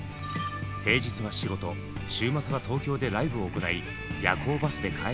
平日は仕事週末は東京でライブを行い夜行バスで帰る日々。